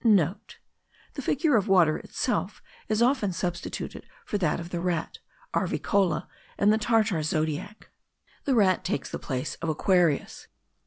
(* The figure of water itself is often substituted for that of the Rat (Arvicola) in the Tartar zodiac. The Rat takes the place of Aquarius.